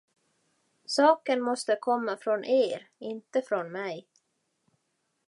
Saken måste komma från er, inte från mig.